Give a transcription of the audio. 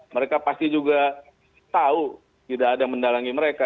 mereka pasti juga tahu tidak ada yang mendalangi mereka